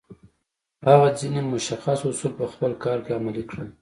هغه ځينې مشخص اصول په خپل کار کې عملي کړل.